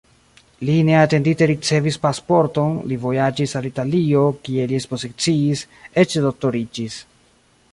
Li neatendite ricevis pasporton, li vojaĝis al Italio, kie li ekspoziciis, eĉ doktoriĝis.